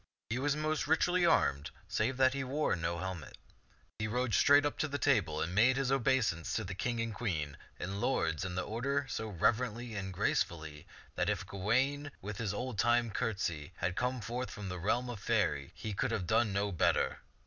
He was most richly armed save that he wore no helmet. He rode straight up to the table and made his obeisance to the King and Queen and lords in their order so reverently and gracefully that if Gawain with his oldtime courtesy had come forth from the realm of Faerie, he could have done no better.